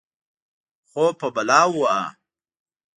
خوب په بلا ووهه.